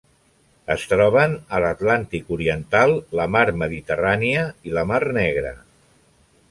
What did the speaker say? Es troben a l'Atlàntic oriental, la Mar Mediterrània i la Mar Negra.